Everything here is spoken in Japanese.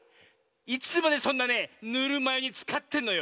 いつまでそんなねぬるまゆにつかってんのよ。